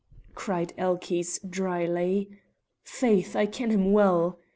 cried Elchies, dryly. "Faith, I ken him well.